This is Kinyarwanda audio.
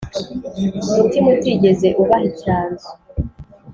Umutima utigeze ubaha icyanzu